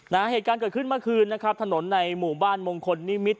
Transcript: เหตุการณ์เกิดขึ้นเมื่อคืนนะครับถนนในหมู่บ้านมงคลนิมิตร